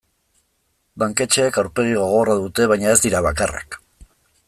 Banketxeek aurpegi gogorra dute baina ez dira bakarrak.